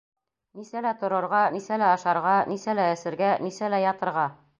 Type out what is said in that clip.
Нисәлә торорға, нисәлә ашарға, нисәлә эсергә, нисәлә ятырға!